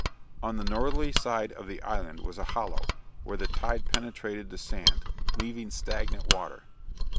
On the northerly side of the island was a hollow, where the tide penetrated the sand, leaving stagnant water.